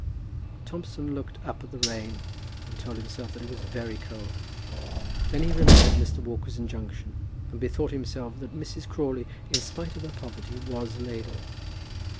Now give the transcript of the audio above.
Thompson looked up at the rain, and told himself that it was very cold. Then he remembered Mr. Walker's injunction, and bethought himself that Mrs. Crawley, in spite of her poverty, was a lady.